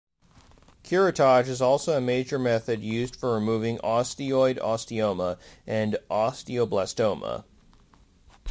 Curettage is also a major method used for removing osteoid osteoma and osteoblastoma.